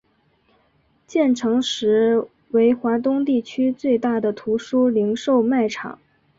建成时为华东地区最大的图书零售卖场。